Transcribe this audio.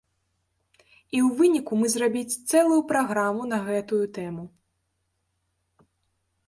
І ў выніку мы зрабіць цэлую праграму на гэтую тэму.